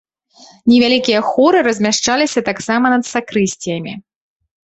Невялікія хоры размяшчаліся таксама над сакрысціямі.